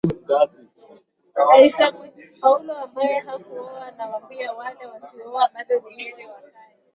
Paulo ambaye hakuoa Nawaambia wale wasiooa bado Ni heri wakae